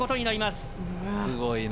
すごいな。